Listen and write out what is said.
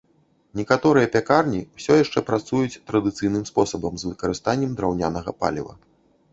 Некаторыя пякарні ўсё яшчэ працуюць традыцыйным спосабам з выкарыстаннем драўнянага паліва.